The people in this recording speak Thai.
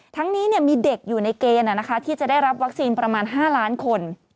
ทั้งนี้มีเด็กอยู่ในเกณฑ์ที่จะได้รับวัคซีนประมาณ๕ล้านคน